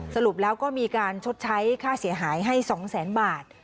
สรุปแล้วก็มีการชดใช้ค่าเสียหายให้๒แสนบาท